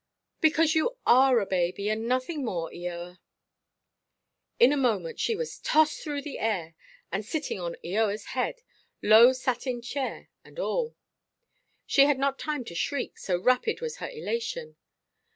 "Because you are a baby, and nothing more, Eoa." In a moment she was tossed through the air, and sitting on Eoaʼs head, low satin chair and all. She had not time to shriek, so rapid was her elation.